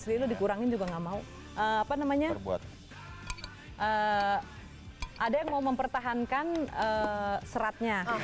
ini buat yang mempertahankan serat